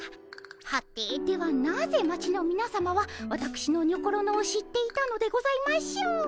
はてではなぜ町のみなさまはわたくしのにょころのを知っていたのでございましょう？